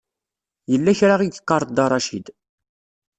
Yella kra i yeqqaṛ Dda Racid.